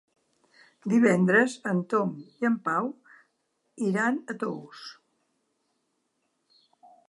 Divendres en Tom i en Pau iran a Tous.